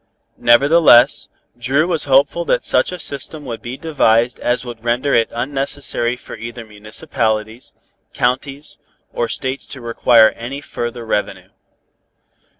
Nevertheless, Dru was hopeful that such a system would be devised as would render it unnecessary for either municipalities, counties or states to require any further revenue.